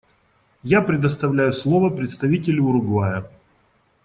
Я предоставляю слово представителю Уругвая.